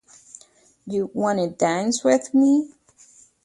You Wanna Dance with Me?